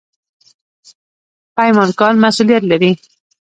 پیمانکار مسوولیت لري